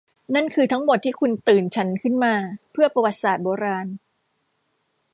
นั่นคือทั้งหมดที่คุณตื่นฉันขึ้นมาเพื่อประวัติศาสตร์โบราณ ?